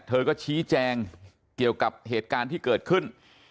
เธอก็ชี้แจงเกี่ยวกับเหตุการณ์ที่เกิดขึ้น